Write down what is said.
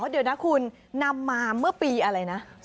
เดี๋ยวนะคุณนำมาเมื่อปีอะไรนะ